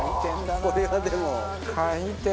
これはでも。